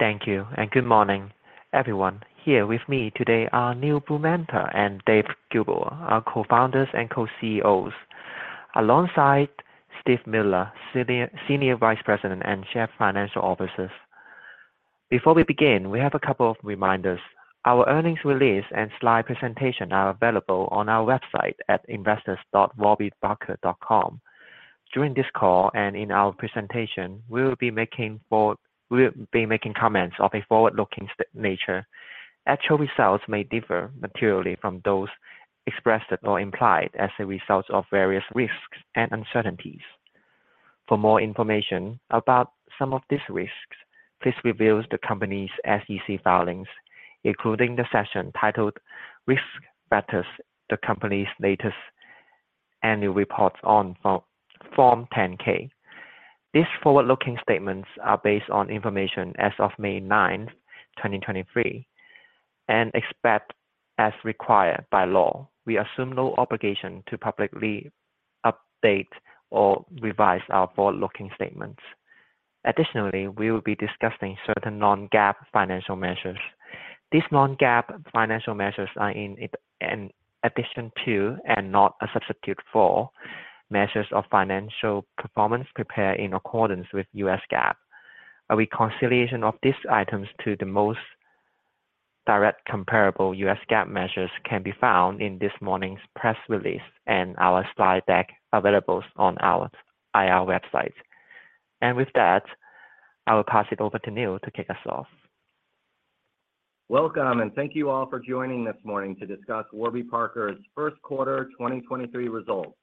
Thank you and good morning, everyone. Here with me today are Neil Blumenthal and Dave Gilboa, our Co-Founders and Co-CEOs, alongside Steve Miller, Senior Vice President and Chief Financial Officer. Before we begin, we have a couple of reminders. Our earnings release and slide presentation are available on our website at investors.warbyparker.com. During this call and in our presentation, we will be making comments of a forward-looking nature. Actual results may differ materially from those expressed or implied as a result of various risks and uncertainties. For more information about some of these risks, please review the company's SEC filings, including the section titled Risk Factors, the company's latest annual report on Form 10-K. These forward-looking statements are based on information as of May 9th, 2023, and except as required by law, we assume no obligation to publicly update or revise our forward-looking statements. Additionally, we will be discussing certain non-GAAP financial measures. These non-GAAP financial measures are in addition to and not a substitute for measures of financial performance prepared in accordance with US GAAP. A reconciliation of these items to the most direct comparable US GAAP measures can be found in this morning's press release and our slide deck available on our IR website. With that, I will pass it over to Neil to kick us off. Welcome, thank you all for joining this morning to discuss Warby Parker's first quarter 2023 results.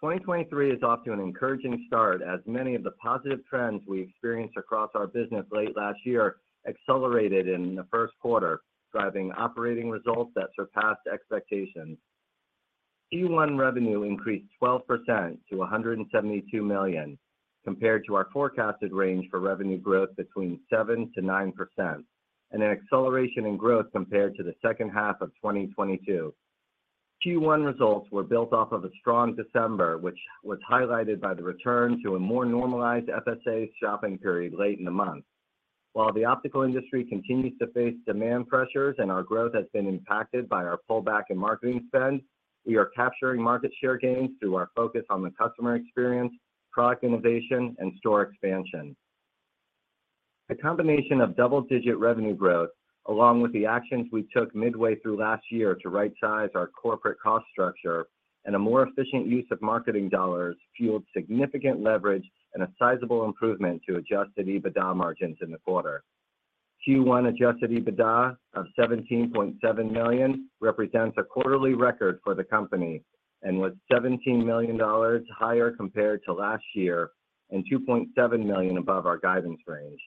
2023 is off to an encouraging start as many of the positive trends we experienced across our business late last year accelerated in the first quarter, driving operating results that surpassed expectations. Q1 revenue increased 12% to $172 million compared to our forecasted range for revenue growth between 7%-9%, and an acceleration in growth compared to the second half of 2022. Q1 results were built off of a strong December, which was highlighted by the return to a more normalized FSA shopping period late in the month. While the optical industry continues to face demand pressures and our growth has been impacted by our pullback in marketing spend, we are capturing market share gains through our focus on the customer experience, product innovation, and store expansion. A combination of double-digit revenue growth, along with the actions we took midway through last year to right-size our corporate cost structure and a more efficient use of marketing dollars, fueled significant leverage and a sizable improvement to adjusted EBITDA margins in the quarter. Q1 adjusted EBITDA of $17.7 million represents a quarterly record for the company and was $17 million higher compared to last year, and $2.7 million above our guidance range.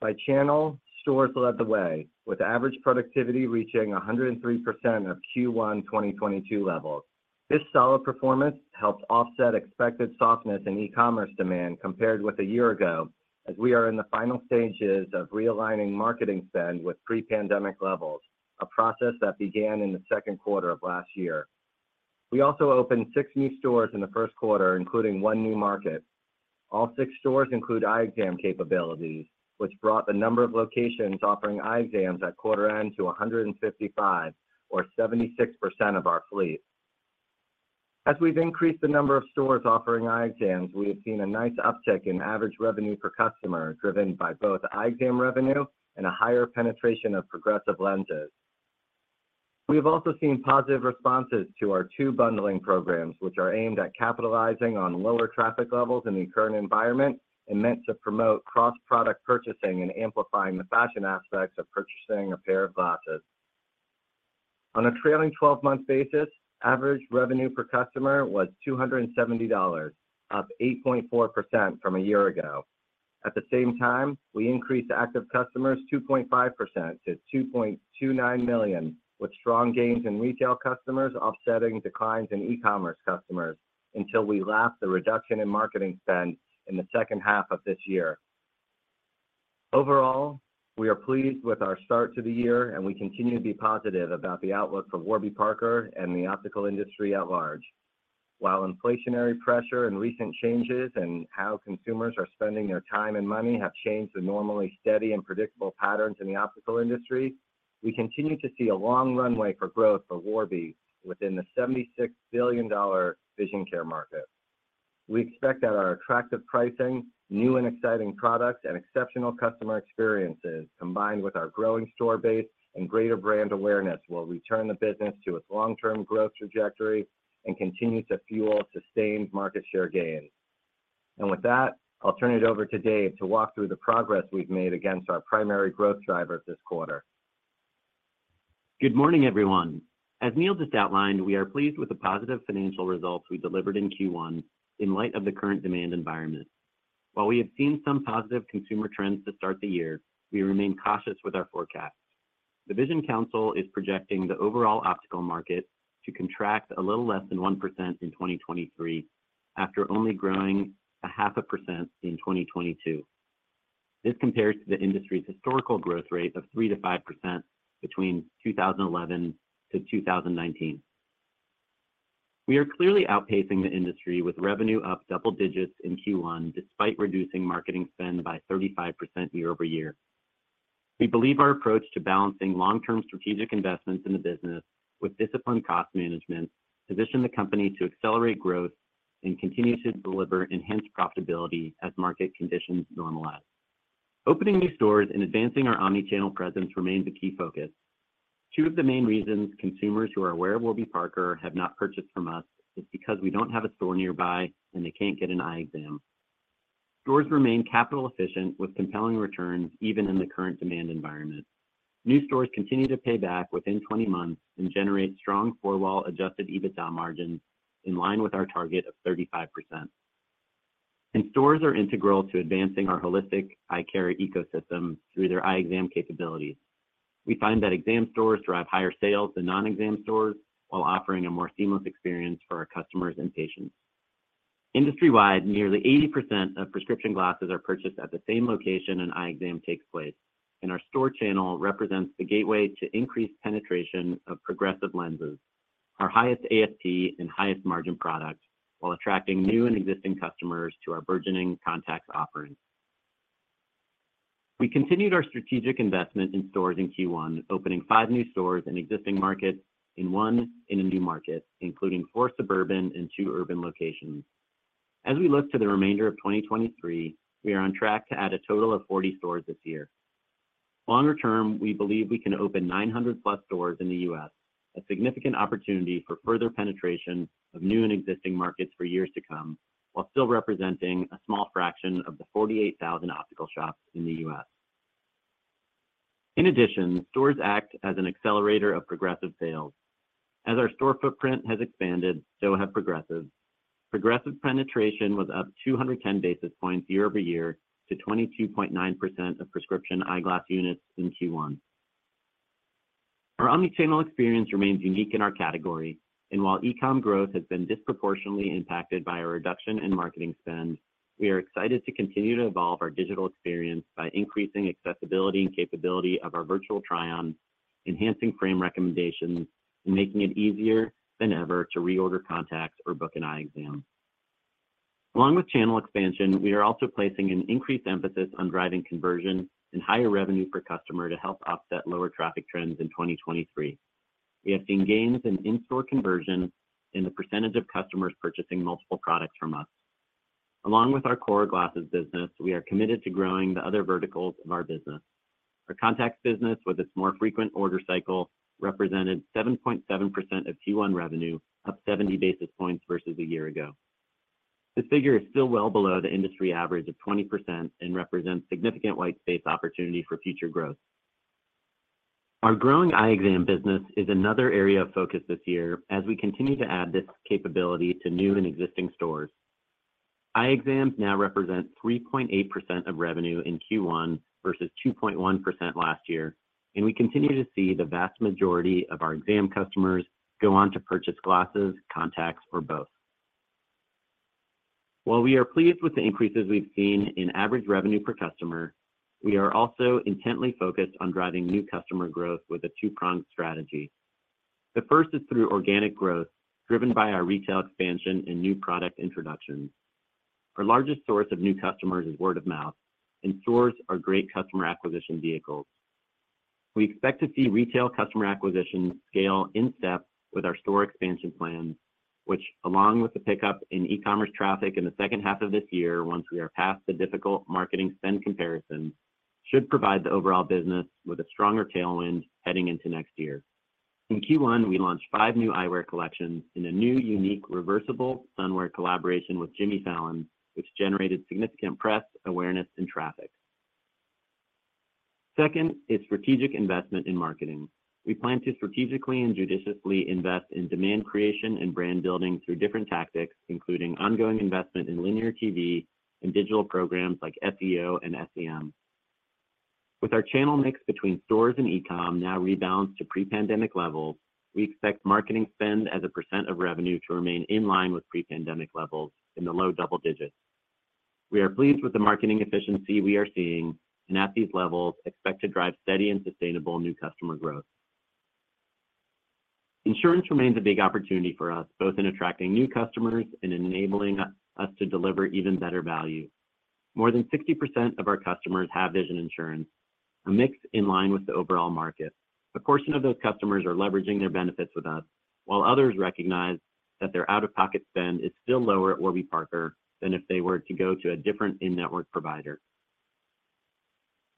By channel, stores led the way with average productivity reaching 103% of Q1 2022 levels. This solid performance helped offset expected softness in e-commerce demand compared with a year ago, as we are in the final stages of realigning marketing spend with pre-pandemic levels, a process that began in the second quarter of last year. We also opened six new stores in the first quarter, including one new market. All six stores include eye exam capabilities, which brought the number of locations offering eye exams at quarter end to 155 or 76% of our fleet. As we've increased the number of stores offering eye exams, we have seen a nice uptick in average revenue per customer, driven by both eye exam revenue and a higher penetration of progressive lenses. We have also seen positive responses to our two bundling programs, which are aimed at capitalizing on lower traffic levels in the current environment and meant to promote cross-product purchasing and amplifying the fashion aspects of purchasing a pair of glasses. On a trailing 12-month basis, average revenue per customer was $270, up 8.4% from a year ago. At the same time, we increased active customers 2.5% to 2.29 million, with strong gains in retail customers offsetting declines in e-commerce customers until we lap the reduction in marketing spend in the second half of this year. Overall, we are pleased with our start to the year. We continue to be positive about the outlook for Warby Parker and the optical industry at large. While inflationary pressure and recent changes in how consumers are spending their time and money have changed the normally steady and predictable patterns in the optical industry, we continue to see a long runway for growth for Warby within the $76 billion vision care market. We expect that our attractive pricing, new and exciting products, and exceptional customer experiences, combined with our growing store base and greater brand awareness, will return the business to its long-term growth trajectory and continue to fuel sustained market share gains. With that, I'll turn it over to Dave to walk through the progress we've made against our primary growth drivers this quarter. Good morning, everyone. As Neil just outlined, we are pleased with the positive financial results we delivered in Q1 in light of the current demand environment. While we have seen some positive consumer trends to start the year, we remain cautious with our forecast. The Vision Council is projecting the overall optical market to contract a little less than 1% in 2023 after only growing a 0.5% in 2022. This compares to the industry's historical growth rate of 3%-5% between 2011-2019. We are clearly outpacing the industry with revenue up double digits in Q1 despite reducing marketing spend by 35% year-over-year. We believe our approach to balancing long-term strategic investments in the business with disciplined cost management position the company to accelerate growth and continue to deliver enhanced profitability as market conditions normalize. Opening new stores and advancing our omni-channel presence remains a key focus. Two of the main reasons consumers who are aware of Warby Parker have not purchased from us is because we don't have a store nearby, and they can't get an eye exam. Stores remain capital efficient with compelling returns even in the current demand environment. New stores continue to pay back within 20 months and generate strong four-wall adjusted EBITDA margins in line with our target of 35%. Stores are integral to advancing our holistic eye care ecosystem through their eye exam capabilities. We find that exam stores drive higher sales than non-exam stores while offering a more seamless experience for our customers and patients. Industry-wide, nearly 80% of prescription glasses are purchased at the same location an eye exam takes place. Our store channel represents the gateway to increased penetration of progressive lenses, our highest ASP and highest margin product, while attracting new and existing customers to our burgeoning contacts offerings. We continued our strategic investment in stores in Q1, opening five new stores in existing markets and one in a new market, including four suburban and two urban locations. As we look to the remainder of 2023, we are on track to add a total of 40 stores this year. Longer term, we believe we can open 900+ stores in the U.S., a significant opportunity for further penetration of new and existing markets for years to come, while still representing a small fraction of the 48,000 optical shops in the U.S. Stores act as an accelerator of progressive sales. As our store footprint has expanded, so have progressives. Progressive penetration was up 210 basis points year-over-year to 22.9% of prescription eyeglass units in Q1. Our omnichannel experience remains unique in our category, and while e-com growth has been disproportionately impacted by a reduction in marketing spend, we are excited to continue to evolve our digital experience by increasing accessibility and capability of our Virtual Try-Ons, enhancing frame recommendations, and making it easier than ever to reorder contacts or book an eye exam. Along with channel expansion, we are also placing an increased emphasis on driving conversion and higher revenue per customer to help offset lower traffic trends in 2023. We have seen gains in in-store conversion in the percentage of customers purchasing multiple products from us. Along with our core glasses business, we are committed to growing the other verticals of our business. Our contacts business, with its more frequent order cycle, represented 7.7% of Q1 revenue, up 70 basis points versus a year ago. This figure is still well below the industry average of 20% and represents significant white space opportunity for future growth. Our growing eye exam business is another area of focus this year as we continue to add this capability to new and existing stores. Eye exams now represent 3.8% of revenue in Q1 versus 2.1% last year, and we continue to see the vast majority of our exam customers go on to purchase glasses, contacts or both. While we are pleased with the increases we've seen in average revenue per customer, we are also intently focused on driving new customer growth with a two-pronged strategy. The first is through organic growth, driven by our retail expansion and new product introductions. Our largest source of new customers is word of mouth, and stores are great customer acquisition vehicles. We expect to see retail customer acquisition scale in step with our store expansion plans, which, along with the pickup in e-commerce traffic in the second half of this year, once we are past the difficult marketing spend comparison, should provide the overall business with a stronger tailwind heading into next year. In Q1, we launched five new eyewear collections in a new, unique, reversible sun wear collaboration with Jimmy Fallon, which generated significant press, awareness and traffic. Second is strategic investment in marketing. We plan to strategically and judiciously invest in demand creation and brand building through different tactics, including ongoing investment in linear TV and digital programs like SEO and SEM. With our channel mix between stores and e-com now rebalanced to pre-pandemic levels, we expect marketing spend as a percent of revenue to remain in line with pre-pandemic levels in the low double digits. We are pleased with the marketing efficiency we are seeing, and at these levels, expect to drive steady and sustainable new customer growth. Insurance remains a big opportunity for us, both in attracting new customers and enabling us to deliver even better value. More than 60% of our customers have vision insurance, a mix in line with the overall market. A portion of those customers are leveraging their benefits with us, while others recognize that their out-of-pocket spend is still lower at Warby Parker than if they were to go to a different in-network provider.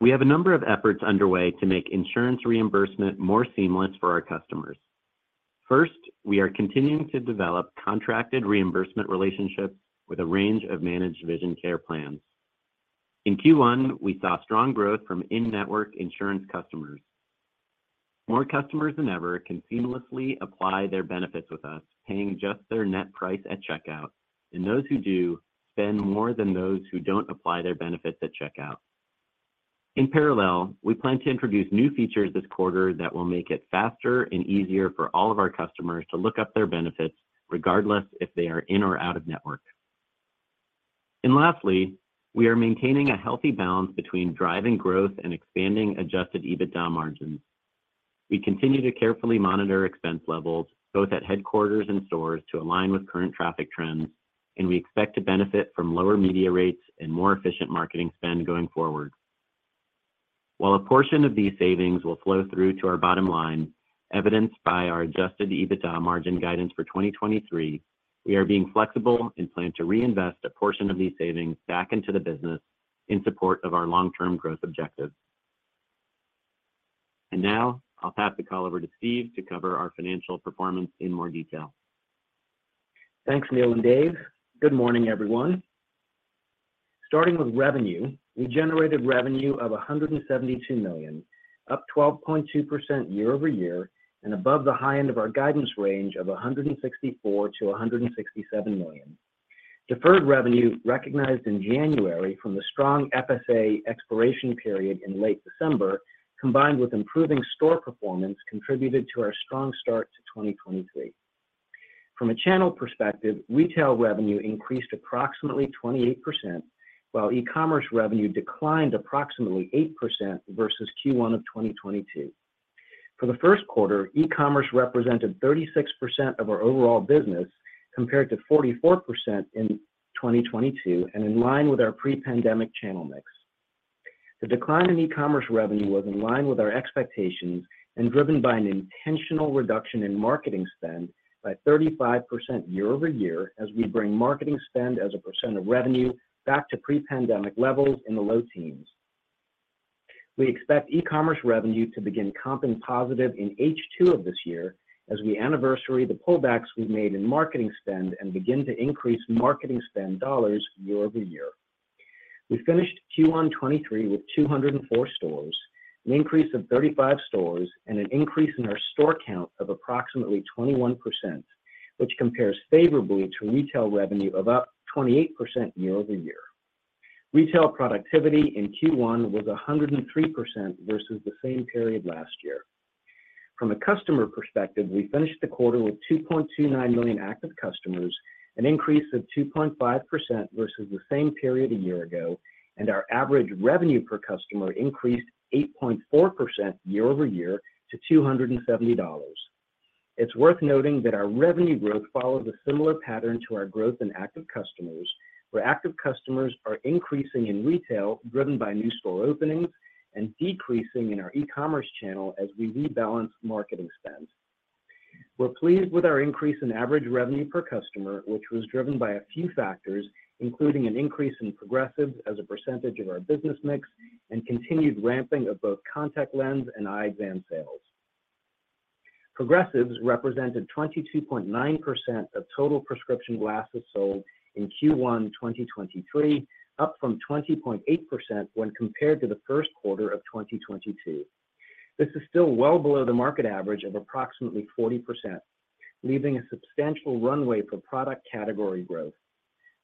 We have a number of efforts underway to make insurance reimbursement more seamless for our customers. First, we are continuing to develop contracted reimbursement relationships with a range of managed vision care plans. In Q1, we saw strong growth from in-network insurance customers. More customers than ever can seamlessly apply their benefits with us, paying just their net price at checkout. Those who do spend more than those who don't apply their benefits at checkout. In parallel, we plan to introduce new features this quarter that will make it faster and easier for all of our customers to look up their benefits regardless if they are in or out of network. Lastly, we are maintaining a healthy balance between driving growth and expanding adjusted EBITDA margins. We continue to carefully monitor expense levels, both at headquarters and stores to align with current traffic trends, and we expect to benefit from lower media rates and more efficient marketing spend going forward. While a portion of these savings will flow through to our bottom line, evidenced by our adjusted EBITDA margin guidance for 2023, we are being flexible and plan to reinvest a portion of these savings back into the business in support of our long-term growth objectives. Now I'll pass the call over to Steve to cover our financial performance in more detail. Thanks, Neil and Dave. Good morning, everyone. Starting with revenue, we generated revenue of $172 million, up 12.2% year-over-year and above the high end of our guidance range of $164 million-$167 million. Deferred revenue recognized in January from the strong FSA expiration period in late December, combined with improving store performance, contributed to our strong start to 2023. From a channel perspective, retail revenue increased approximately 28%, while e-commerce revenue declined approximately 8% versus Q1 of 2022. For the first quarter, e-commerce represented 36% of our overall business, compared to 44% in 2022 and in line with our pre-pandemic channel mix. The decline in e-commerce revenue was in line with our expectations and driven by an intentional reduction in marketing spend by 35% year-over-year as we bring marketing spend as a percent of revenue back to pre-pandemic levels in the low teens. We expect e-commerce revenue to begin comp and positive in H2 of this year as we anniversary the pullbacks we've made in marketing spend and begin to increase marketing spend dollars year-over-year. We finished Q1 '23 with 204 stores, an increase of 35 stores and an increase in our store count of approximately 21%, which compares favorably to retail revenue of up 28% year-over-year. Retail productivity in Q1 was 103% versus the same period last year. From a customer perspective, we finished the quarter with 2.29 million active customers, an increase of 2.5% versus the same period a year ago. Our average revenue per customer increased 8.4% year-over-year to $270. It's worth noting that our revenue growth follows a similar pattern to our growth in active customers, where active customers are increasing in retail, driven by new store openings and decreasing in our e-commerce channel as we rebalance marketing spend. We're pleased with our increase in average revenue per customer, which was driven by a few factors, including an increase in progressives as a percentage of our business mix and continued ramping of both contact lens and eye exam sales. Progressives represented 22.9% of total prescription glasses sold in Q1 2023, up from 20.8% when compared to the first quarter of 2022. This is still well below the market average of approximately 40%, leaving a substantial runway for product category growth.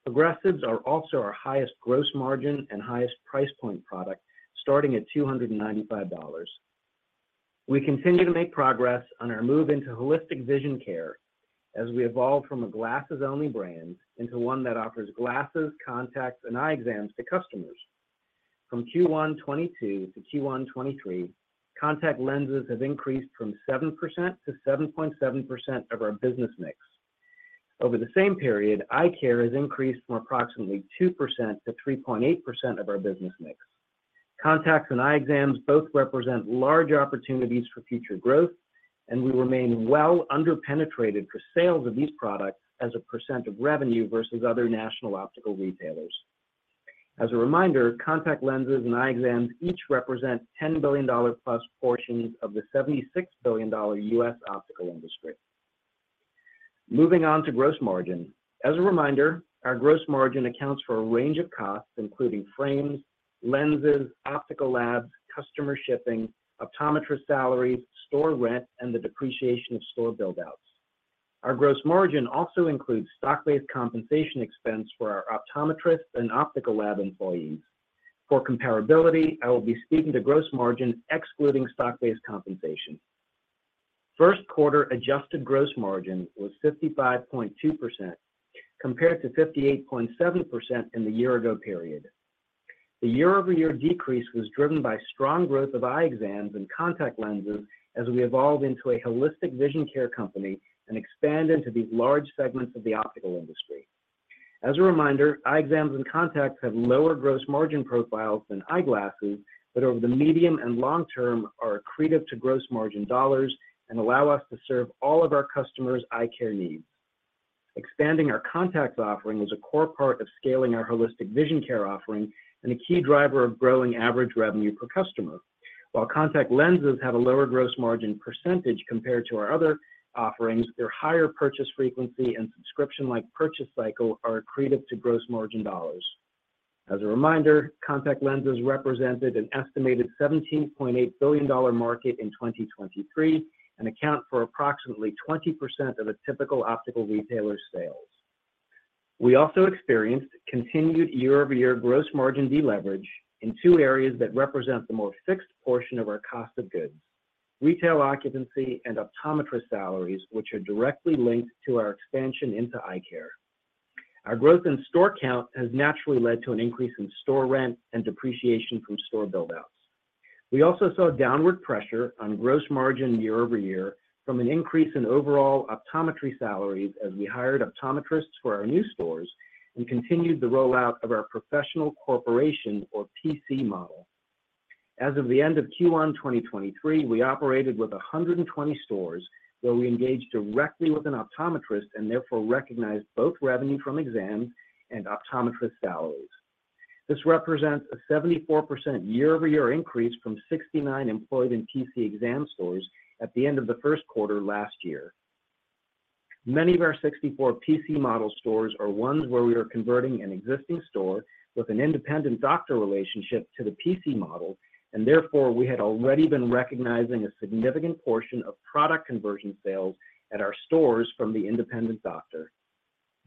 Progressives are also our highest gross margin and highest price point product, starting at $295. We continue to make progress on our move into holistic vision care as we evolve from a glasses-only brand into one that offers glasses, contacts, and eye exams to customers. From Q1 '22 to Q1 '23, contact lenses have increased from 7%-7.7% of our business mix. Over the same period, eye care has increased from approximately 2%-3.8% of our business mix. Contacts and eye exams both represent large opportunities for future growth. We remain well underpenetrated for sales of these products as a percent of revenue versus other national optical retailers. As a reminder, contact lenses and eye exams each represent $10 billion+ portions of the $76 billion U.S. optical industry. Moving on to gross margin. As a reminder, our gross margin accounts for a range of costs, including frames, lenses, optical labs, customer shipping, optometrist salaries, store rent, and the depreciation of store buildouts. Our gross margin also includes stock-based compensation expense for our optometrists and optical lab employees. For comparability, I will be speaking to gross margin excluding stock-based compensation. First quarter adjusted gross margin was 55.2% compared to 58.7% in the year ago period. The year-over-year decrease was driven by strong growth of eye exams and contact lenses as we evolve into a holistic vision care company and expand into these large segments of the optical industry. As a reminder, eye exams and contacts have lower gross margin profiles than eyeglasses, but over the medium and long term are accretive to gross margin dollars and allow us to serve all of our customers' eye care needs. Expanding our contacts offering is a core part of scaling our holistic vision care offering and a key driver of growing average revenue per customer. While contact lenses have a lower gross margin percentage compared to our other offerings, their higher purchase frequency and subscription-like purchase cycle are accretive to gross margin dollars. As a reminder, contact lenses represented an estimated $17.8 billion market in 2023 and account for approximately 20% of a typical optical retailer's sales. We also experienced continued year-over-year gross margin deleverage in two areas that represent the more fixed portion of our cost of goods. Retail occupancy and optometrist salaries, which are directly linked to our expansion into eye care. Our growth in store count has naturally led to an increase in store rent and depreciation from store build-outs. We also saw downward pressure on gross margin year-over-year from an increase in overall optometry salaries as we hired optometrists for our new stores and continued the rollout of our Professional Corporation or PC Model. As of the end of Q1 2023, we operated with 120 stores where we engage directly with an optometrist and therefore recognize both revenue from exams and optometrist salaries. This represents a 74% year-over-year increase from 69 employed in PC Model exam stores at the end of the first quarter last year. Many of our 64 PC Model stores are ones where we are converting an existing store with an independent doctor relationship to the PC Model, and therefore, we had already been recognizing a significant portion of product conversion sales at our stores from the independent doctor.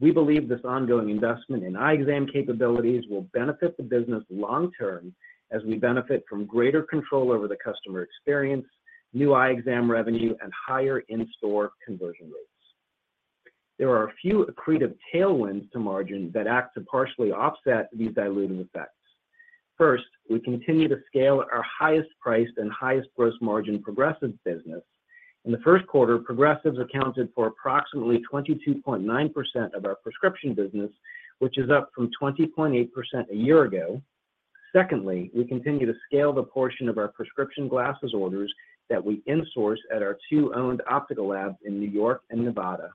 We believe this ongoing investment in eye exam capabilities will benefit the business long term as we benefit from greater control over the customer experience, new eye exam revenue, and higher in-store conversion rates. There are a few accretive tailwinds to margin that act to partially offset these diluting effects. First, we continue to scale our highest priced and highest gross margin progressive business. In the first quarter, progressives accounted for approximately 22.9% of our prescription business, which is up from 20.8% a year ago. Secondly, we continue to scale the portion of our prescription glasses orders that we insource at our two owned optical labs in New York and Nevada.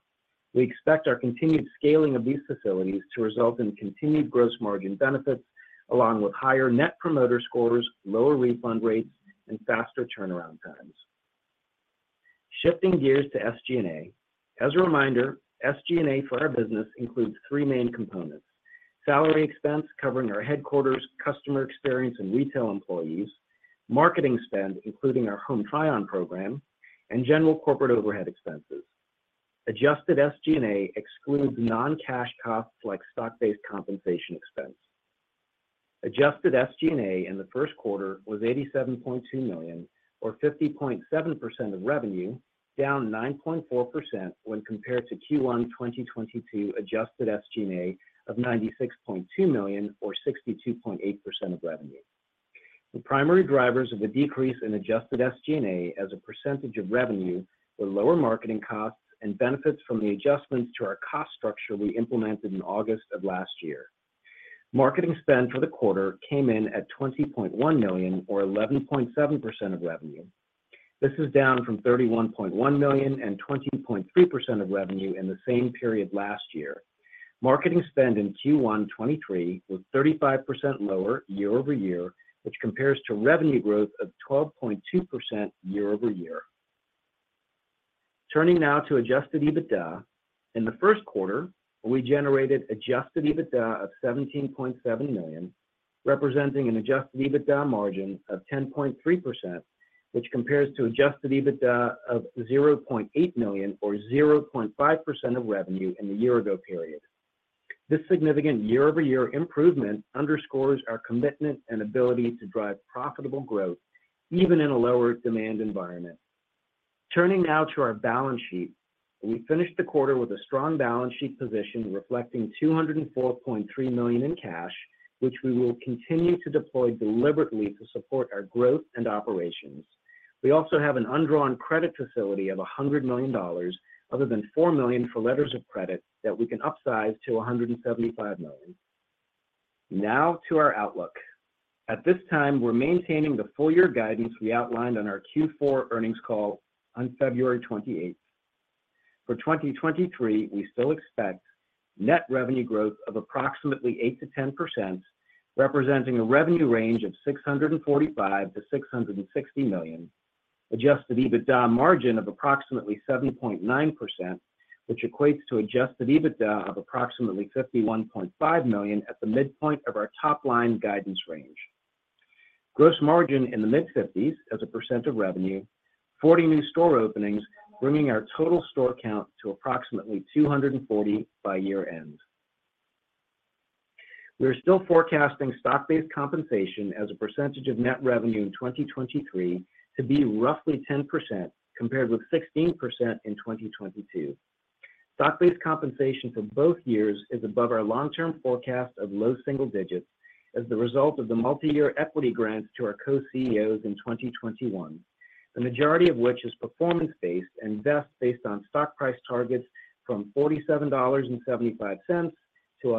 We expect our continued scaling of these facilities to result in continued gross margin benefits along with higher net promoter scores, lower refund rates, and faster turnaround times. Shifting gears to SG&A. As a reminder, SG&A for our business includes three main components: salary expense covering our headquarters, customer experience, and retail employees; marketing spend, including our Home Try-On program; and general corporate overhead expenses. Adjusted SG&A excludes non-cash costs like stock-based compensation expense. Adjusted SG&A in the first quarter was $87.2 million or 50.7% of revenue, down 9.4% when compared to Q1 2022 adjusted SG&A of $96.2 million or 62.8% of revenue. The primary drivers of the decrease in adjusted SG&A as a percentage of revenue were lower marketing costs and benefits from the adjustments to our cost structure we implemented in August of last year. Marketing spend for the quarter came in at $20.1 million or 11.7% of revenue. This is down from $31.1 million and 20.3% of revenue in the same period last year. Marketing spend in Q1 '23 was 35% lower year-over-year, which compares to revenue growth of 12.2% year-over-year. Turning now to adjusted EBITDA. In the first quarter, we generated adjusted EBITDA of $17.7 million, representing an adjusted EBITDA margin of 10.3%, which compares to adjusted EBITDA of $0.8 million or 0.5% of revenue in the year-ago period. This significant year-over-year improvement underscores our commitment and ability to drive profitable growth even in a lower demand environment. Turning now to our balance sheet. We finished the quarter with a strong balance sheet position reflecting $204.3 million in cash, which we will continue to deploy deliberately to support our growth and operations. We also have an undrawn credit facility of $100 million other than $4 million for letters of credit that we can upsize to $175 million. Now to our outlook. At this time, we're maintaining the full year guidance we outlined on our Q4 earnings call on February 28th. For 2023, we still expect net revenue growth of approximately 8%-10%, representing a revenue range of $645 million-$660 million, adjusted EBITDA margin of approximately 7.9%, which equates to adjusted EBITDA of approximately $51.5 million at the midpoint of our top line guidance range. Gross margin in the mid-50s as a percent of revenue, 40 new store openings, bringing our total store count to approximately 240 by year end. We are still forecasting stock-based compensation as a percentage of net revenue in 2023 to be roughly 10% compared with 16% in 2022. Stock-based compensation for both years is above our long-term forecast of low single digits as the result of the multi-year equity grants to our co-CEOs in 2021. The majority of which is performance-based and vests based on stock price targets from $47.75-$103.46. We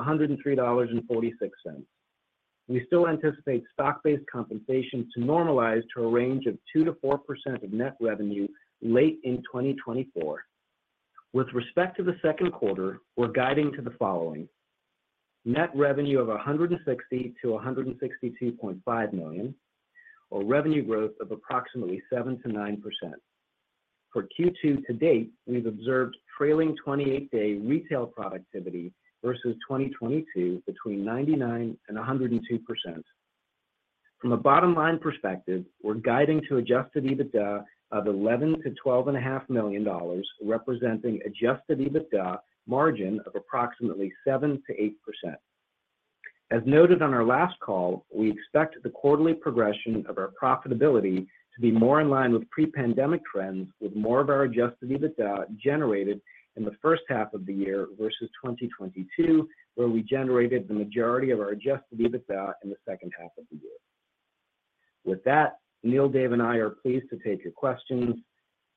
still anticipate stock-based compensation to normalize to a range of 2%-4% of net revenue late in 2024. With respect to the second quarter, we're guiding to the following. Net revenue of $160 million-$162.5 million or revenue growth of approximately 7%-9%. For Q2 to date, we've observed trailing 28-day retail productivity versus 2022 between 99% and 102%. From a bottom line perspective, we're guiding to adjusted EBITDA of $11 million to twelve and a half million dollars, representing adjusted EBITDA margin of approximately 7%-8%. As noted on our last call, we expect the quarterly progression of our profitability to be more in line with pre-pandemic trends, with more of our adjusted EBITDA generated in the first half of the year versus 2022, where we generated the majority of our adjusted EBITDA in the second half of the year. With that, Neil, Dave, and I are pleased to take your questions.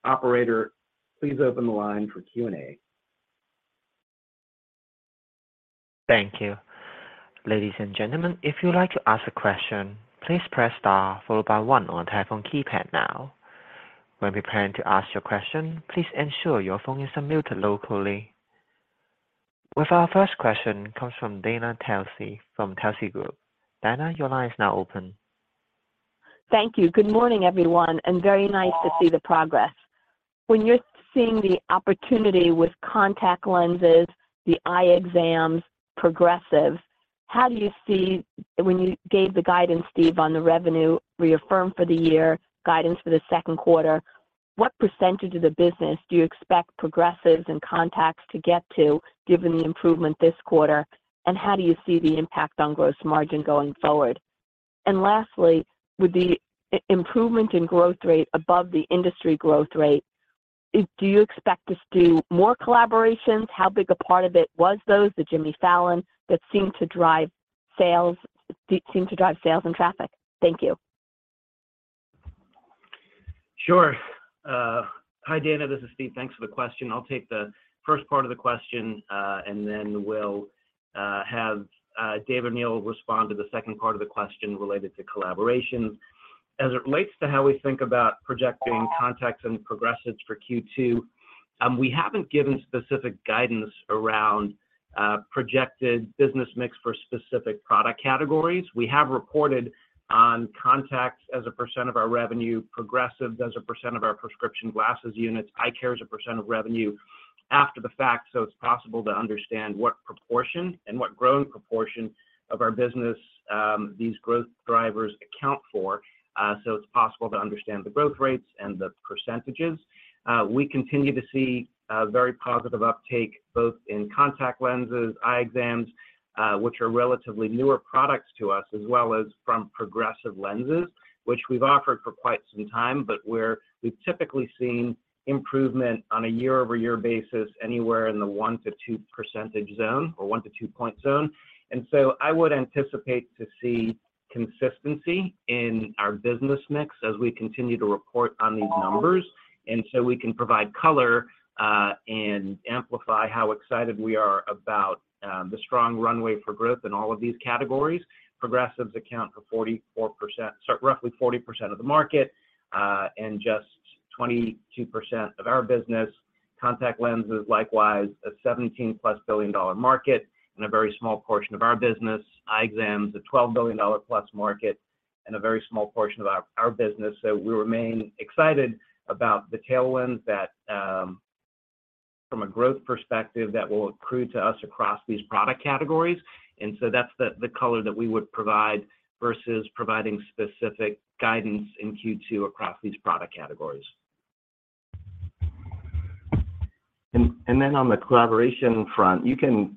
Operator, please open the line for Q&A. Thank you. Ladies and gentlemen, if you'd like to ask a question, please press star followed by one on your telephone keypad now. When preparing to ask your question, please ensure your phone is unmuted locally. Our first question comes from Dana Telsey from Telsey Group. Dana, your line is now open. Thank you. Good morning, everyone, and very nice to see the progress. When you're seeing the opportunity with contact lenses, the eye exams, progressives, how do you see When you gave the guidance, Steve, on the revenue reaffirmed for the year, guidance for the second quarter, what percentage of the business do you expect progressives and contacts to get to given the improvement this quarter? How do you see the impact on gross margin going forward? Lastly, with the improvement in growth rate above the industry growth rate, do you expect us to do more collaborations? How big a part of it was those, the Jimmy Fallon, that seemed to drive sales and traffic? Thank you. Sure. Hi, Dana, this is Steve. Thanks for the question. I'll take the first part of the question, and then we'll have Dave or Neil respond to the second part of the question related to collaborations. As it relates to how we think about projecting contacts and progressives for Q2, we haven't given specific guidance around projected business mix for specific product categories. We have reported on contacts as a percent of our revenue, progressives as a percent of our prescription glasses units, eye care as a percent of revenue after the fact, so it's possible to understand what proportion and what growing proportion of our business, these growth drivers account for, so it's possible to understand the growth rates and the percentages. We continue to see very positive uptake both in contact lenses, eye exams, which are relatively newer products to us, as well as from progressive lenses, which we've offered for quite some time, but where we've typically seen improvement on a year-over-year basis anywhere in the 1%-2% zone or 1-2 point zone. I would anticipate to see consistency in our business mix as we continue to report on these numbers. We can provide color and amplify how excited we are about the strong runway for growth in all of these categories. Progressives account for 44%, sorry, roughly 40% of the market, and just 22% of our business. Contact lenses, likewise, a $17+ billion market and a very small portion of our business. Eye exams, a $12 billion-plus market and a very small portion of our business. We remain excited about the tailwinds that, from a growth perspective, that will accrue to us across these product categories. That's the color that we would provide versus providing specific guidance in Q2 across these product categories. On the collaboration front, you can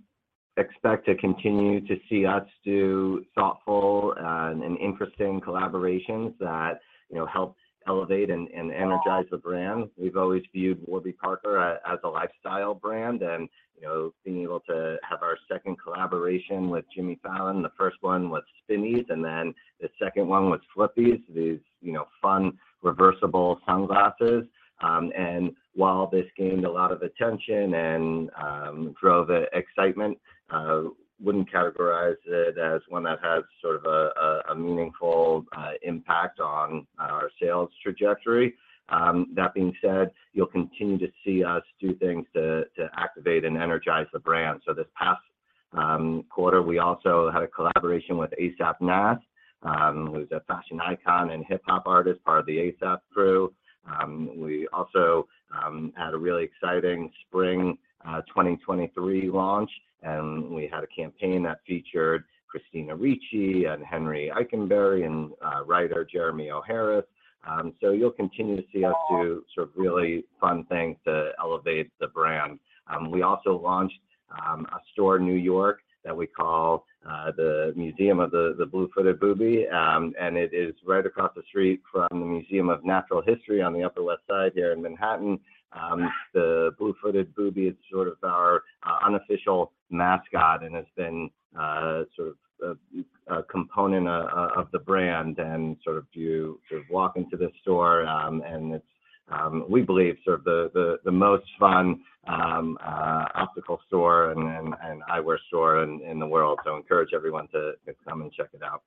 expect to continue to see us do thoughtful and interesting collaborations that, you know, help elevate and energize the brand. We've always viewed Warby Parker as a lifestyle brand and, you know, being able to have our second collaboration with Jimmy Fallon. The first one was Spinnies, and then the second one was Flippies, these, you know, fun, reversible sunglasses. While this gained a lot of attention and drove excitement, wouldn't categorize it as one that has sort of a meaningful impact on our sales trajectory. That being said, you'll continue to see us do things to activate and energize the brand. This past quarter, we also had a collaboration with A$AP Nast, who's a fashion icon and hip-hop artist, part of the A$AP Mob. We also had a really exciting spring 2023 launch, we had a campaign that featured Christina Ricci and Henry Eikenberry and writer Jeremy O. Harris. You'll continue to see us do sort of really fun things to elevate the brand. We also launched a store in New York that we call the Museum of the Blue-footed Booby. It is right across the street from the Museum of Natural History on the Upper West Side here in Manhattan. The blue-footed booby is sort of our unofficial mascot and has been sort of a component of the brand. Sort of you walk into this store, and it's we believe sort of the most fun optical store and eyewear store in the world. Encourage everyone to come and check it out.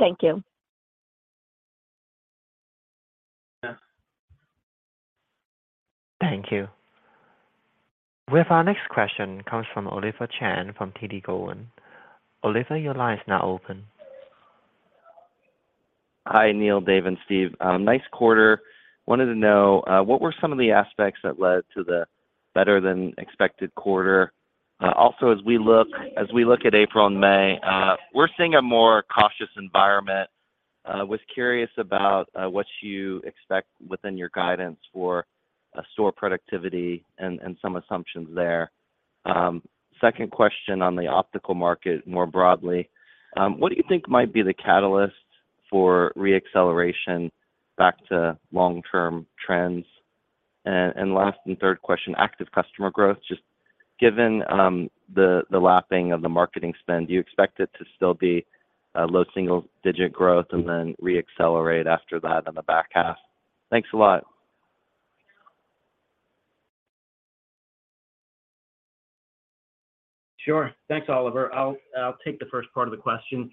Thank you. Yeah. Thank you. With our next question comes from Oliver Chen from TD Cowen. Oliver, your line is now open. Hi, Neil, Dave, and Steve. Nice quarter. Wanted to know what were some of the aspects that led to the better-than-expected quarter? Also, as we look at April and May, we're seeing a more cautious environment. Was curious about what you expect within your guidance for store productivity and some assumptions there. Second question on the optical market more broadly, what do you think might be the catalyst for re-acceleration back to long-term trends? Last and third question, active customer growth, just given the lapping of the marketing spend, do you expect it to still be a low single-digit growth and then re-accelerate after that in the back half? Thanks a lot. Sure. Thanks, Oliver. I'll take the first part of the question.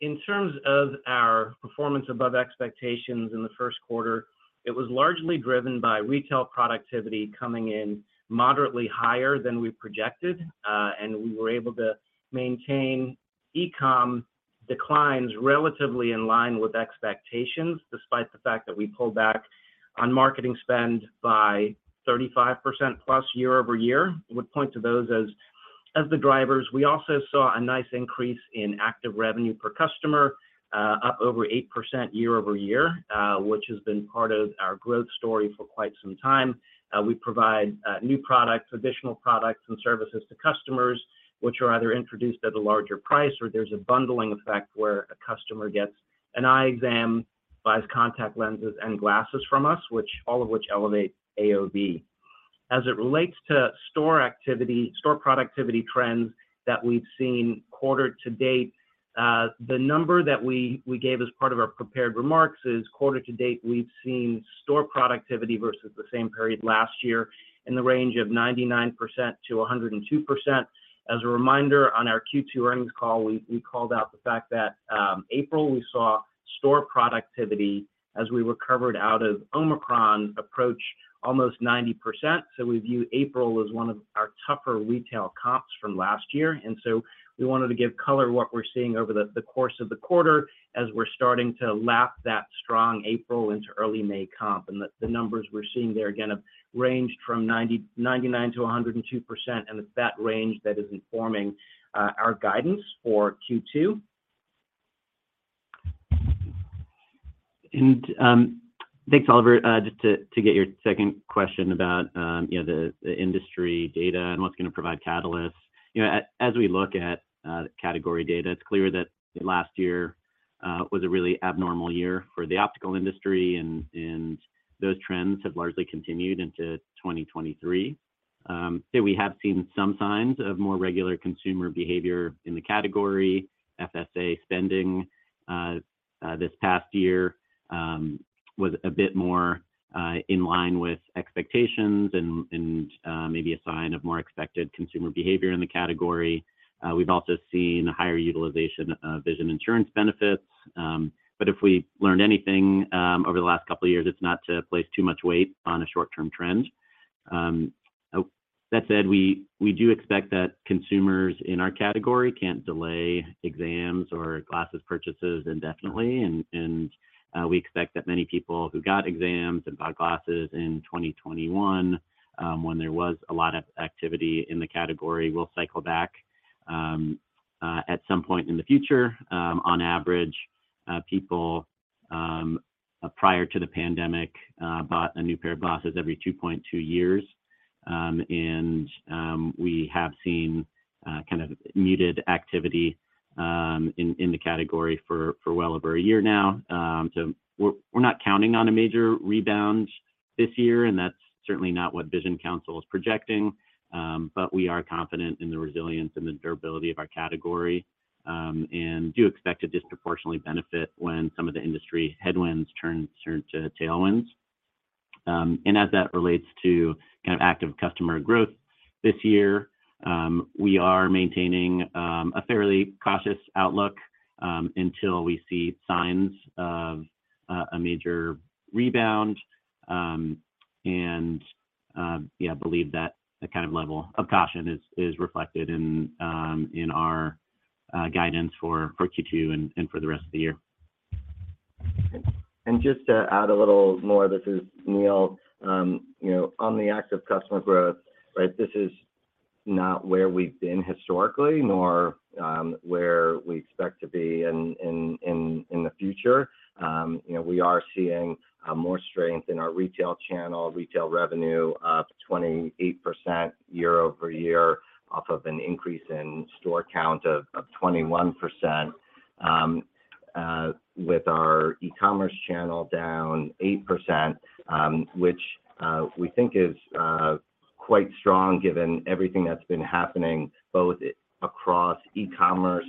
In terms of our performance above expectations in the first quarter, it was largely driven by retail productivity coming in moderately higher than we projected. We were able to maintain e-com declines relatively in line with expectations, despite the fact that we pulled back on marketing spend by 35%+ year-over-year. Would point to those as the drivers. We also saw a nice increase in active revenue per customer, up over 8% year-over-year, which has been part of our growth story for quite some time. We provide new products, additional products and services to customers, which are either introduced at a larger price or there's a bundling effect where a customer gets an eye exam, buys contact lenses and glasses from us, all of which elevate AOV. As it relates to store activity, store productivity trends that we've seen quarter to date, the number that we gave as part of our prepared remarks is quarter to date, we've seen store productivity versus the same period last year in the range of 99%-102%. As a reminder, on our Q2 earnings call, we called out the fact that April, we saw store productivity as we recovered out of Omicron approach almost 90%. We view April as one of our tougher retail comps from last year, we wanted to give color what we're seeing over the course of the quarter as we're starting to lap that strong April into early May comp. The numbers we're seeing there, again, have ranged from 99%-102%, and it's that range that is informing our guidance for Q2. Thanks, Oliver. Just to get your second question about, you know, the industry data and what's gonna provide catalysts. You know, as we look at category data, it's clear that last year was a really abnormal year for the optical industry and those trends have largely continued into 2023. We have seen some signs of more regular consumer behavior in the category. FSA spending this past year was a bit more in line with expectations and maybe a sign of more expected consumer behavior in the category. We've also seen higher utilization of vision insurance benefits. If we learned anything over the last couple of years, it's not to place too much weight on a short-term trend. That said, we do expect that consumers in our category can't delay exams or glasses purchases indefinitely. We expect that many people who got exams and bought glasses in 2021, when there was a lot of activity in the category, will cycle back at some point in the future. On average, people prior to the pandemic bought a new pair of glasses every 2.2 years. We have seen kind of muted activity in the category for well over a year now. We're not counting on a major rebound this year, and that's certainly not what Vision Council is projecting. We are confident in the resilience and the durability of our category, and do expect to disproportionately benefit when some of the industry headwinds turn to tailwinds. As that relates to kind of active customer growth this year, we are maintaining a fairly cautious outlook until we see signs of a major rebound. Yeah, believe that that kind of level of caution is reflected in our guidance for Q2 and for the rest of the year. Just to add a little more, this is Neil. You know, on the active customer growth, right? This is not where we've been historically, nor where we expect to be in the future. You know, we are seeing more strength in our retail channel. Retail revenue up 28% year-over-year off of an increase in store count of 21%, with our e-commerce channel down 8%, which we think is quite strong given everything that's been happening both across e-commerce,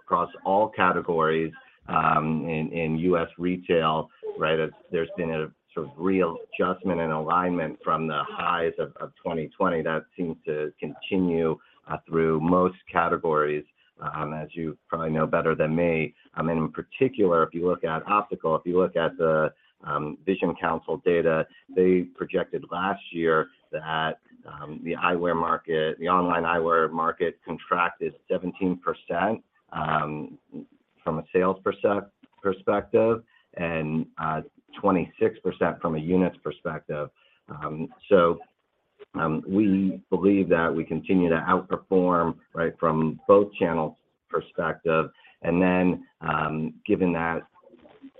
across all categories, in U.S. retail, right? There's been a sort of real adjustment and alignment from the highs of 2020 that seem to continue through most categories, as you probably know better than me. In particular, if you look at optical, if you look at The Vision Council data, they projected last year that the eyewear market, the online eyewear market contracted 17% from a sales perspective, and 26% from a units perspective. We believe that we continue to outperform, right, from both channels' perspective. Given that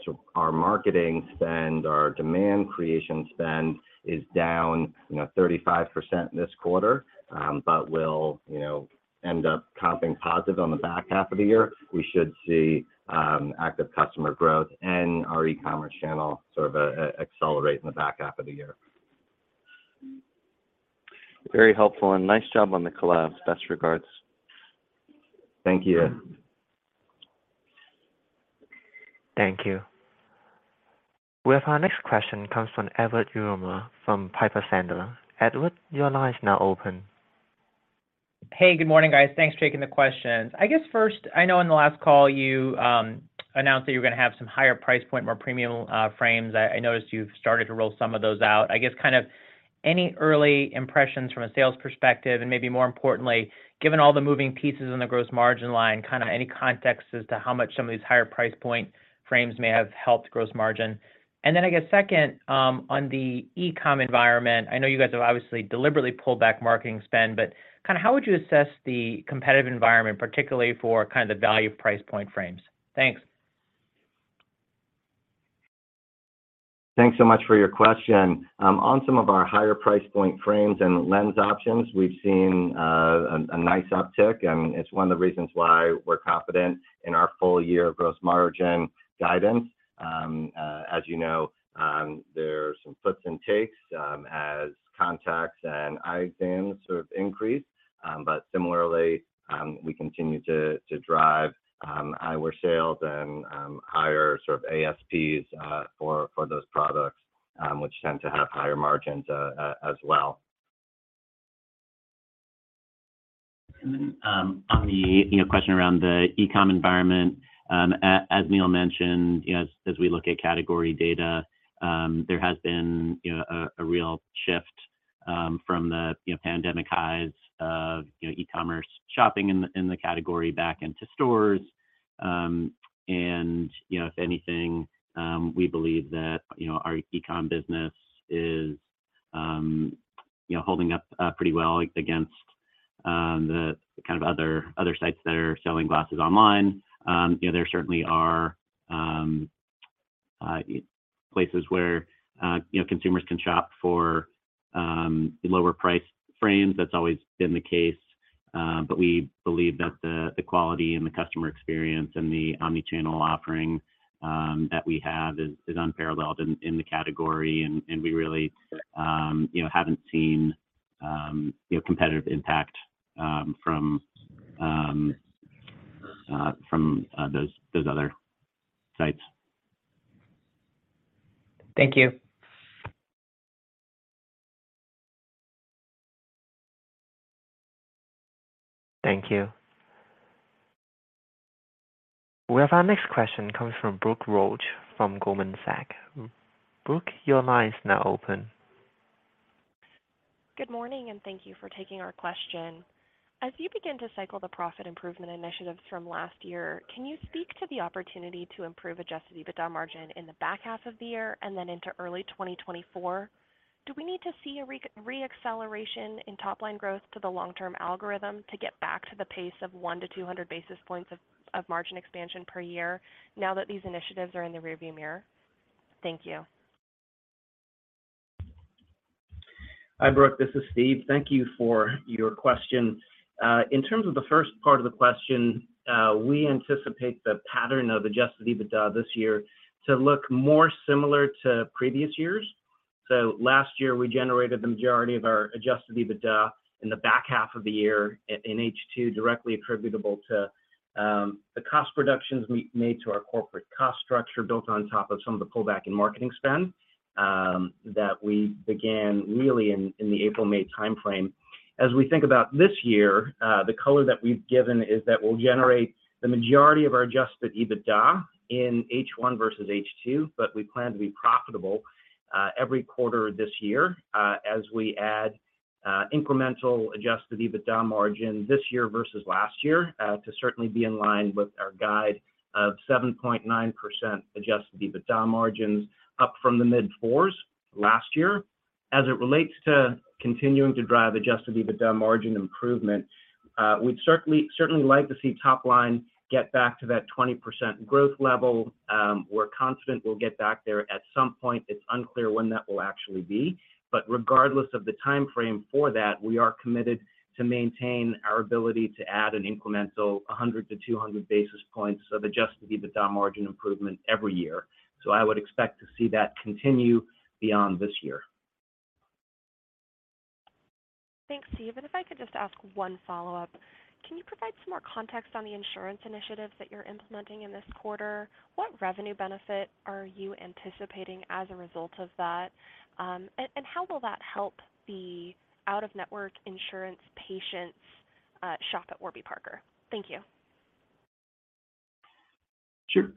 so our marketing spend, our demand creation spend is down, you know, 35% this quarter, but will, you know, end up comping positive on the back half of the year, we should see active customer growth in our e-commerce channel sort of accelerate in the back half of the year. Very helpful, and nice job on the collabs. Best regards. Thank you. Thank you. We have our next question comes from Edward Yruma from Piper Sandler. Edward, your line is now open. Hey, good morning, guys. Thanks for taking the questions. I guess first, I know on the last call you announced that you were gonna have some higher price point, more premium frames. I noticed you've started to roll some of those out. I guess kind of any early impressions from a sales perspective, and maybe more importantly, given all the moving pieces in the gross margin line, kind of any context as to how much some of these higher price point frames may have helped gross margin? I guess second, on the e-com environment, I know you guys have obviously deliberately pulled back marketing spend, but kinda how would you assess the competitive environment, particularly for kind of the value price point frames? Thanks. Thanks so much for your question. On some of our higher price point frames and lens options, we've seen a nice uptick, and it's one of the reasons why we're confident in our full year gross margin guidance. As you know, there's some puts and takes, as contacts and eye exams sort of increase. Similarly, we continue to drive eyewear sales and higher sort of ASPs for those products, which tend to have higher margins as well. On the, you know, question around the e-com environment, as Neil mentioned, you know, as we look at category data, there has been, you know, a real shift from the, you know, pandemic highs of, you know, e-commerce shopping in the category back into stores. You know, if anything, we believe that, you know, our e-com business is, you know, holding up pretty well against the kind of other sites that are selling glasses online. You know, there certainly are places where, you know, consumers can shop for lower priced frames. That's always been the case. We believe that the quality and the customer experience and the omni-channel offering that we have is unparalleled in the category, and we really, you know, haven't seen, you know, competitive impact from those other sites. Thank you. Thank you. We have our next question comes from Brooke Roach from Goldman Sachs. Brooke, your line is now open. Good morning, and thank you for taking our question. As you begin to cycle the profit improvement initiatives from last year, can you speak to the opportunity to improve adjusted EBITDA margin in the back half of the year and then into early 2024? Do we need to see a reacceleration in top line growth to the long-term algorithm to get back to the pace of 100-200 basis points of margin expansion per year now that these initiatives are in the rearview mirror? Thank you. Hi, Brooke. This is Steve. Thank you for your question. In terms of the first part of the question, we anticipate the pattern of adjusted EBITDA this year to look more similar to previous years. Last year, we generated the majority of our adjusted EBITDA in the back half of the year in H2 directly attributable to, the cost reductions we made to our corporate cost structure built on top of some of the pullback in marketing spend, that we began really in the April/May timeframe. As we think about this year, the color that we've given is that we'll generate the majority of our adjusted EBITDA in H1 versus H2. We plan to be profitable every quarter this year, as we add incremental adjusted EBITDA margin this year versus last year, to certainly be in line with our guide of 7.9% adjusted EBITDA margins up from the mid-4s last year. As it relates to continuing to drive adjusted EBITDA margin improvement, we'd certainly like to see top line get back to that 20% growth level. We're confident we'll get back there at some point. It's unclear when that will actually be. Regardless of the timeframe for that, we are committed to maintain our ability to add an incremental 100 to 200 basis points of adjusted EBITDA margin improvement every year. I would expect to see that continue beyond this year. Thanks, Steve. If I could just ask one follow-up. Can you provide some more context on the insurance initiatives that you're implementing in this quarter? What revenue benefit are you anticipating as a result of that? And how will that help the out-of-network insurance patients shop at Warby Parker? Thank you. Sure.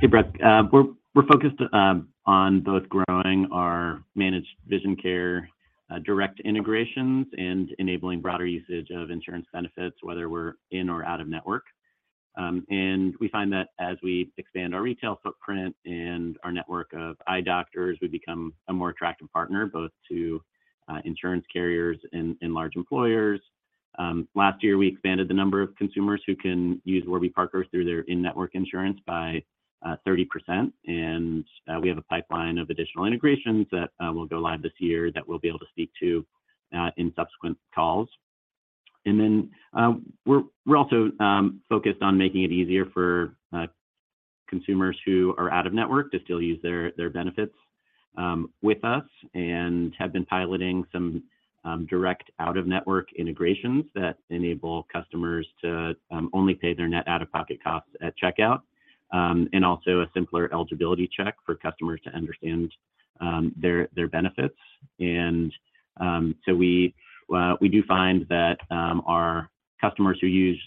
Hey, Brooke. We're focused on both growing our managed vision care, direct integrations and enabling broader usage of insurance benefits, whether we're in or out of network. We find that as we expand our retail footprint and our network of eye doctors, we become a more attractive partner both to insurance carriers and large employers. Last year, we expanded the number of consumers who can use Warby Parker through their in-network insurance by 30%, and we have a pipeline of additional integrations that will go live this year that we'll be able to speak to in subsequent calls. We're also focused on making it easier for consumers who are out of network to still use their benefits with us and have been piloting some direct out-of-network integrations that enable customers to only pay their net out-of-pocket costs at checkout and also a simpler eligibility check for customers to understand their benefits. We do find that our customers who use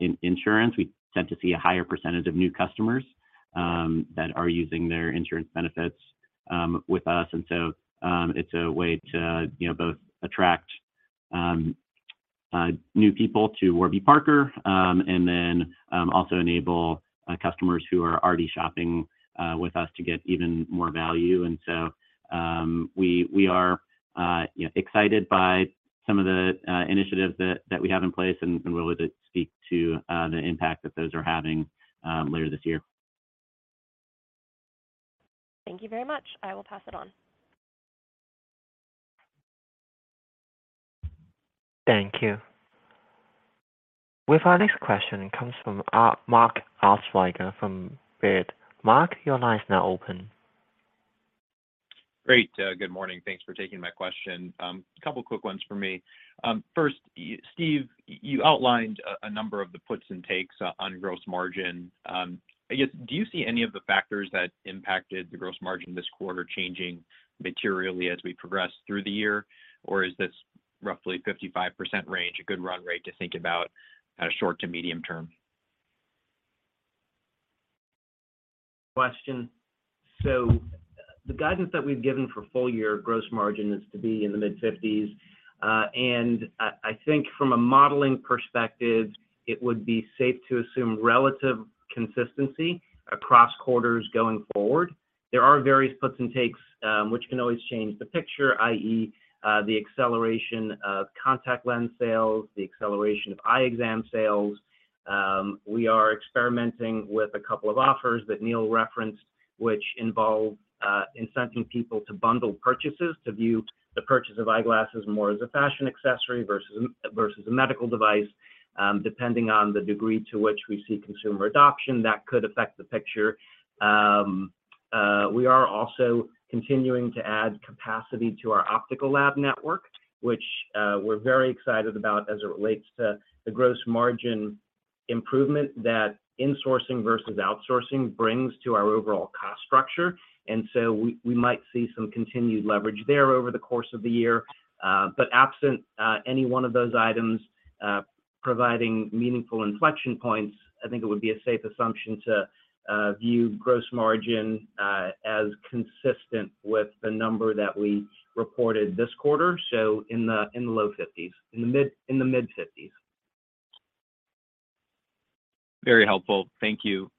in-insurance, we tend to see a higher percentage of new customers that are using their insurance benefits with us. It's a way to, you know, both attract new people to Warby Parker and then also enable customers who are already shopping with us to get even more value. We are, you know, excited by some of the initiatives that we have in place and really to speak to the impact that those are having later this year. Thank you very much. I will pass it on. Thank you. With our next question comes from Mark Altschwager from Baird. Mark, your line is now open. Great. Good morning. Thanks for taking my question. A couple quick ones for me. First, Steve, you outlined a number of the puts and takes on gross margin. I guess, do you see any of the factors that impacted the gross margin this quarter changing materially as we progress through the year? Or is this roughly 55% range a good run rate to think about at a short to medium term? Question. The guidance that we've given for full year gross margin is to be in the mid-50s%. I think from a modeling perspective, it would be safe to assume relative consistency across quarters going forward. There are various puts and takes, which can always change the picture, i.e., the acceleration of contact lens sales, the acceleration of eye exam sales. We are experimenting with a couple of offers that Neil referenced, which involve incenting people to bundle purchases to view the purchase of eyeglasses more as a fashion accessory versus a medical device. Depending on the degree to which we see consumer adoption, that could affect the picture. We are also continuing to add capacity to our optical lab network, which we're very excited about as it relates to the gross margin improvement that insourcing versus outsourcing brings to our overall cost structure. We might see some continued leverage there over the course of the year. But absent any one of those items providing meaningful inflection points, I think it would be a safe assumption to view gross margin as consistent with the number that we reported this quarter, so in the low 50s, in the mid-50s. Very helpful. Thank you.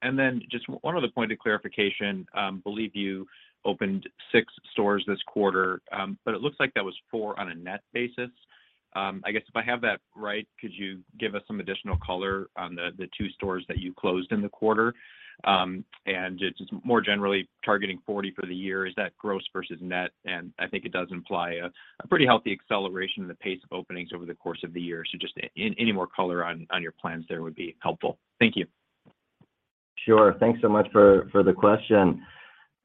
Just one other point of clarification. Believe you opened six stores this quarter, but it looks like that was four on a net basis. I guess if I have that right, could you give us some additional color on the two stores that you closed in the quarter? Just more generally targeting 40 for the year, is that gross versus net? I think it does imply a pretty healthy acceleration in the pace of openings over the course of the year. Just any more color on your plans there would be helpful. Thank you. Sure. Thanks so much for the question.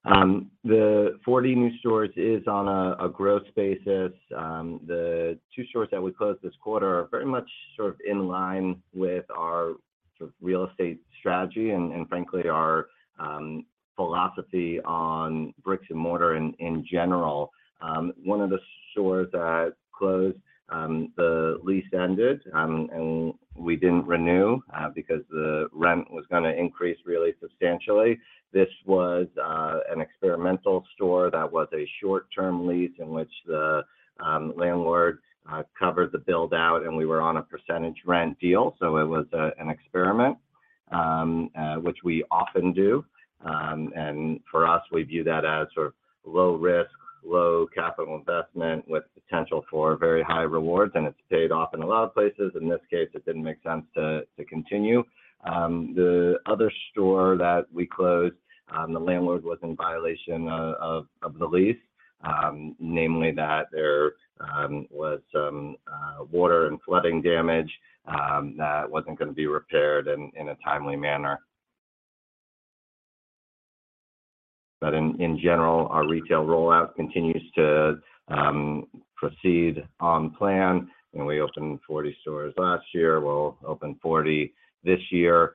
The 40 new stores is on a growth basis. The two stores that we closed this quarter are very much sort of in line with our sort of real estate strategy and frankly, our philosophy on bricks and mortar in general. One of the stores that closed, the lease ended, and we didn't renew, because the rent was gonna increase really substantially. This was an experimental store that was a short-term lease in which the landlord covered the build-out, and we were on a percentage rent deal, so it was an experiment, which we often do. For us, we view that as sort of low risk, low capital investment with potential for very high rewards, and it's paid off in a lot of places. In this case, it didn't make sense to continue. The other store that we closed, the landlord was in violation of the lease, namely that there was some water and flooding damage that wasn't gonna be repaired in a timely manner. In general, our retail rollout continues to proceed on plan. You know, we opened 40 stores last year. We'll open 40 this year.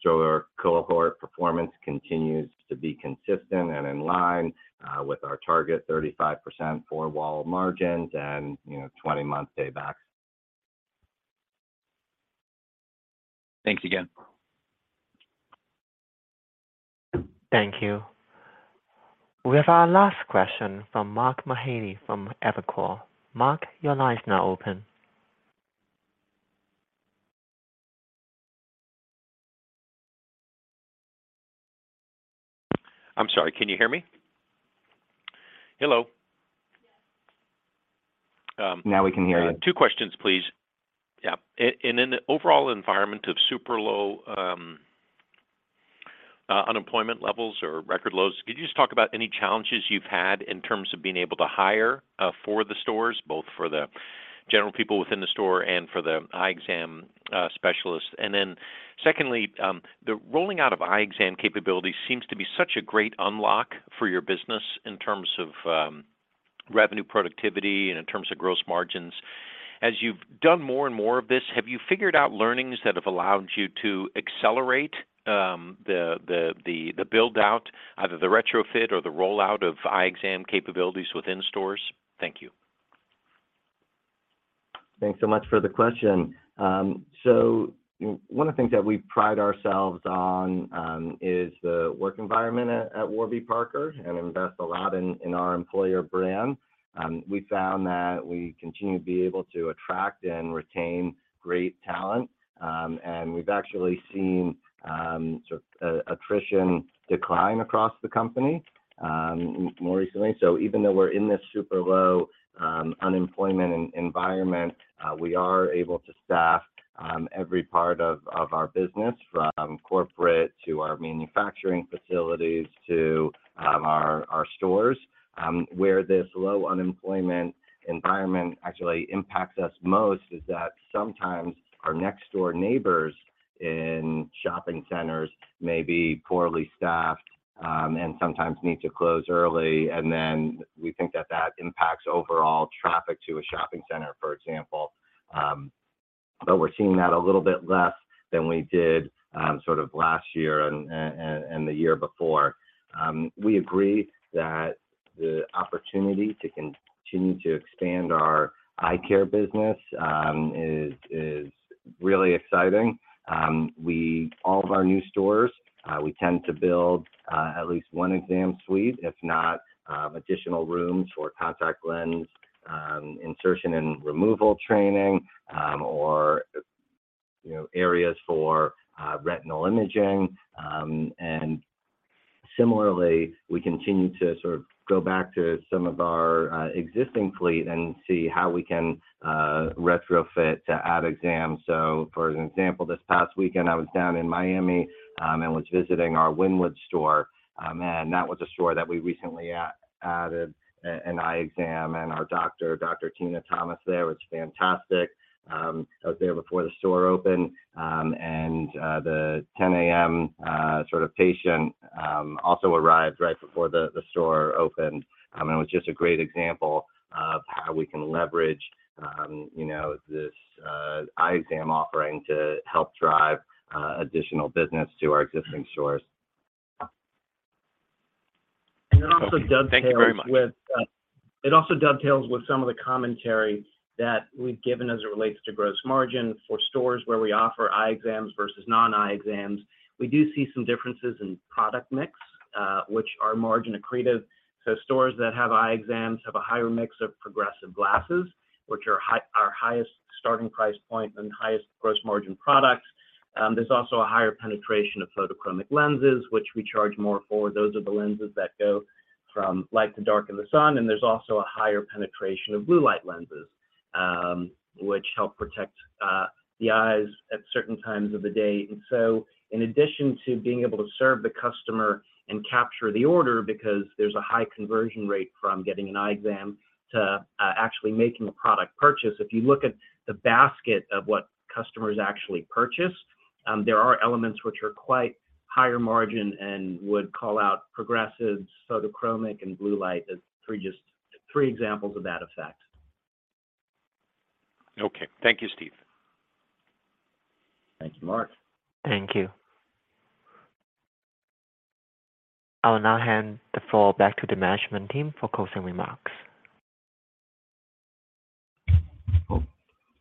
Store cohort performance continues to be consistent and in line with our target 35% four-wall margins and, you know, 20-month paybacks. Thanks again. Thank you. We have our last question from Mark Mahaney from Evercore. Mark, your line is now open. I'm sorry. Can you hear me? Hello? Yes. Now we can hear you. Two questions, please. In an overall environment of super low unemployment levels or record lows, could you just talk about any challenges you've had in terms of being able to hire for the stores, both for the general people within the store and for the eye exam specialists? Secondly, the rolling out of eye exam capabilities seems to be such a great unlock for your business in terms of revenue productivity and in terms of gross margins. As you've done more and more of this, have you figured out learnings that have allowed you to accelerate the build-out, either the retrofit or the rollout of eye exam capabilities within stores? Thank you. Thanks so much for the question. One of the things that we pride ourselves on, is the work environment at Warby Parker and invest a lot in our employer brand. We found that we continue to be able to attract and retain great talent, and we've actually seen, sort of attrition decline across the company, more recently. Even though we're in this super low unemployment environment, we are able to staff every part of our business, from corporate to our manufacturing facilities to our stores. Where this low unemployment environment actually impacts us most is that sometimes our next door neighbors in shopping centers may be poorly staffed, and sometimes need to close early, and then we think that that impacts overall traffic to a shopping center, for example. We're seeing that a little bit less than we did, sort of last year and the year before. We agree that the opportunity to continue to expand our eye care business is really exciting. All of our new stores, we tend to build at least one exam suite, if not additional rooms for contact lens insertion and removal training, or, you know, areas for retinal imaging. Similarly, we continue to sort of go back to some of our existing fleet and see how we can retrofit to add exams. For example, this past weekend, I was down in Miami and was visiting our Wynwood store. That was a store that we recently added an eye exam, and our doctor, Dr. Tina Thomas there, was fantastic. I was there before the store opened, and the 10:00 A.M. sort of patient also arrived right before the store opened. It was just a great example of how we can leverage, you know, this eye exam offering to help drive additional business to our existing stores. Okay. Thank you very much. It also dovetails with some of the commentary that we've given as it relates to gross margin. For stores where we offer eye exams versus non-eye exams, we do see some differences in product mix, which are margin accretive. Stores that have eye exams have a higher mix of progressive glasses, which are our highest starting price point and highest gross margin products. There's also a higher penetration of photochromic lenses, which we charge more for. Those are the lenses that go from light to dark in the sun. There's also a higher penetration of blue light lenses, which help protect the eyes at certain times of the day. In addition to being able to serve the customer and capture the order, because there's a high conversion rate from getting an eye exam to actually making a product purchase. If you look at the basket of what customers actually purchase, there are elements which are quite higher margin and would call out progressive, photochromic, and blue light as three examples of that effect. Okay. Thank you, Steve. Thank you, Mark. Thank you. I will now hand the floor back to the management team for closing remarks.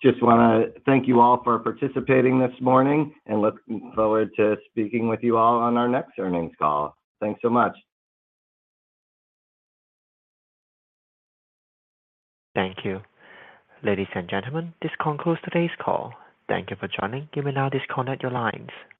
Just wanna thank you all for participating this morning and looking forward to speaking with you all on our next earnings call. Thanks so much. Thank you. Ladies and gentlemen, this concludes today's call. Thank you for joining. You may now disconnect your lines.